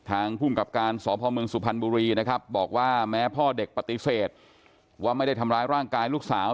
ภูมิกับการสพเมืองสุพรรณบุรีนะครับบอกว่าแม้พ่อเด็กปฏิเสธว่าไม่ได้ทำร้ายร่างกายลูกสาว